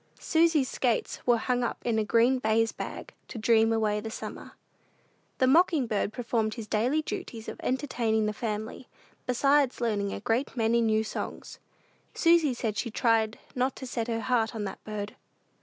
Susy's skates were hung up in a green baize bag, to dream away the summer. The mocking bird performed his daily duties of entertaining the family, besides learning a great many new songs. Susy said she tried not to set her heart on that bird.